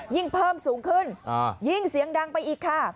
ยิ่งเพิ่มสูงขึ้นยิ่งเสียงดังไปอีกค่ะ